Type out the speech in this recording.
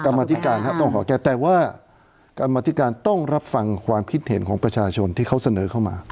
กรรมธิการต้องขอแก้แต่ว่ากรรมธิการต้องรับฟังความคิดเห็นของประชาชนที่เขาเสนอเข้ามา